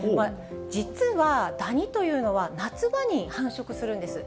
実はダニというのは、夏場に繁殖するんです。